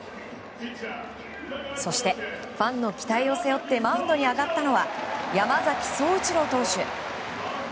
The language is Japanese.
そしてファンの期待を背負ってマウンドに上がったのは山崎颯一郎投手。